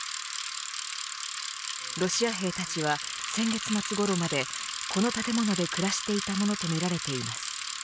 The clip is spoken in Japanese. ロシア兵たちは先月末ごろまでこの建物で暮らしていたものとみられています。